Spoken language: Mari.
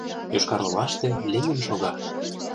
Йошкар-Олаште Ленин шога.